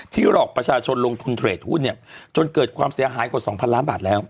หลอกประชาชนลงทุนเทรดหุ้นเนี่ยจนเกิดความเสียหายกว่า๒๐๐ล้านบาทแล้ว